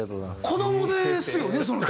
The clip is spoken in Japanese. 子どもですよね